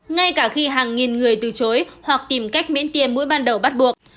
ngay cả khi hàng nghìn người từ chối hoặc tìm cách miễn tiền mũi ban đầu bắt buộc